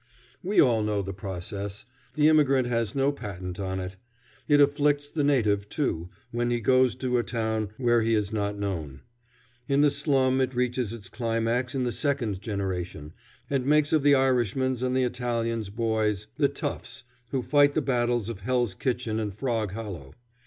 We all know the process. The immigrant has no patent on it. It afflicts the native, too, when he goes to a town where he is not known. In the slum it reaches its climax in the second generation, and makes of the Irishman's and the Italian's boys the "toughs" who fight the battles of Hell's Kitchen and Frog Hollow.